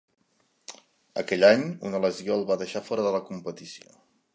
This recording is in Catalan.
Aquell any, una lesió el va deixar fora de la competició.